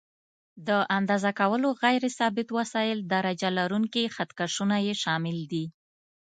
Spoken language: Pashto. د اندازه کولو غیر ثابت وسایل: درجه لرونکي خط کشونه یې شامل دي.